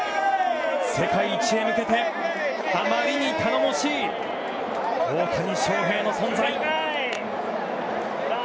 世界一へ向けてあまりに頼もしい大谷翔平の存在。